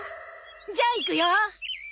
じゃあいくよ！